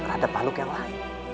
terhadap makhluk yang lain